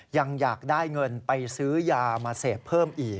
ยังอยากได้เงินไปซื้อยามาเสพเพิ่มอีก